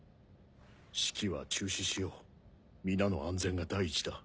式は中止しよう皆の安全が第一だ。